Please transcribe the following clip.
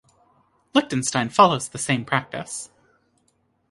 Liechtenstein follows the same practice.